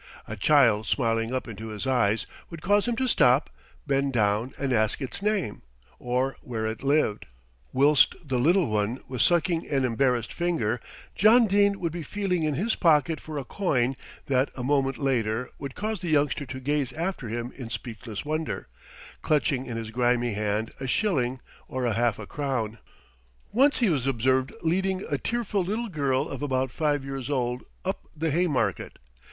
A child smiling up into his eyes would cause him to stop, bend down and ask its name, or where it lived. Whilst the little one was sucking an embarrassed finger John Dene would be feeling in his pocket for a coin that a moment later would cause the youngster to gaze after him in speechless wonder, clutching in his grimy hand a shilling or a half a crown. Once he was observed leading a tearful little girl of about five years old up the Haymarket.